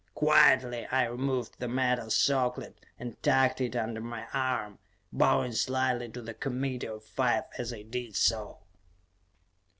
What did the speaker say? Quietly, I removed the metal circlet and tucked it under my arm, bowing slightly to the committee of five as I did so.